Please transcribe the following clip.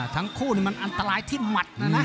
ทั้งคู่นี่มันอันตรายที่หมัดนะนะ